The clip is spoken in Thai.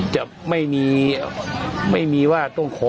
จะไม่มีว่าต้องขอ